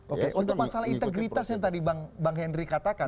oke untuk masalah integritas yang tadi bang henry katakan